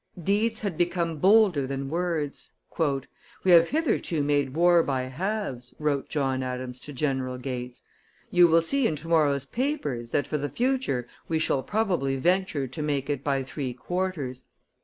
Deeds had become bolder than words. "We have hitherto made war by halves," wrote John Adams to General Gates; "you will see in to morrow's papers that for the future we shall probably venture to make it by three quarters.